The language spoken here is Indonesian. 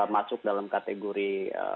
masuk dalam kategori